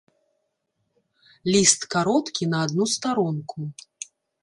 Ліст кароткі, на адну старонку.